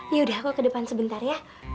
yaudah aku ke depan sebentar ya